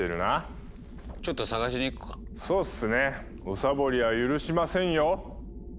おサボりは許しませんよ！